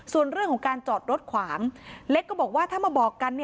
ส่วนเรื่องของการจอดรถขวางเล็กก็บอกว่าถ้ามาบอกกัน